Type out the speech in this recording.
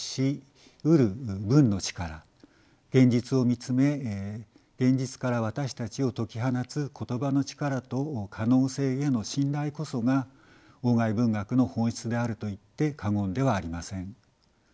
現実を見つめ現実から私たちを解き放つ言葉の力と可能性への信頼こそが外文学の本質であるといって過言ではありません。